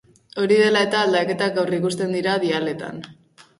Hori dela eta, aldaketak aurrikusten dira dialean.